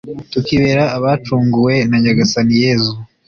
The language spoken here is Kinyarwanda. tukibera abacunguwe na nyagasani yezu